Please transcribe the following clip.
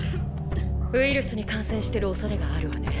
ウイルスに感染してるおそれがあるわね。